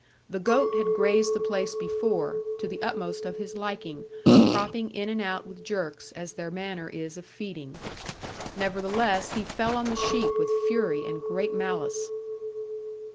The goat had grazed the place before, to the utmost of his liking, cropping in and out with jerks, as their manner is of feeding. Nevertheless he fell on the sheep with fury and great malice.